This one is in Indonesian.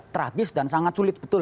tragis dan sangat sulit betul